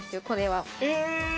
これは。